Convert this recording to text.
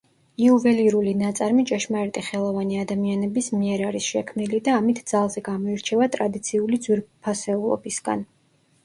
იუველირული ნაწარმი ჭეშმარიტი ხელოვანი ადამიანების მიერ არის შექმნილი და ამით ძალზე გამოირჩევა ტრადიციული ძვირფასეულობისგან.